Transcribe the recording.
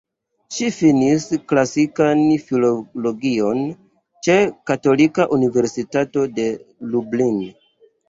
Ŝi finis klasikan filologion ĉe Katolika Universitato de Lublin.